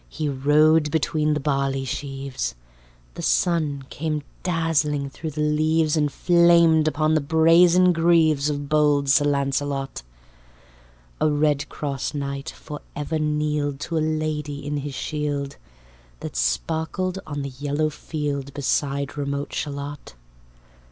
He rode between the barleysheaves: The sun came dazzling thro' the leaves, And flamed upon the brazen greaves Of bold Sir Launcelot. A redcross knight for ever kneeled To a lady in his shield, That sparkled on the yellow field, Beside remote Shalott.